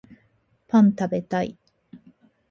パン食べたい